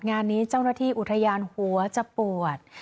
งานนี้เจ้าหน้าที่อุทยานหัวจะปวด